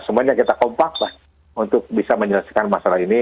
semuanya kita kompak lah untuk bisa menyelesaikan masalah ini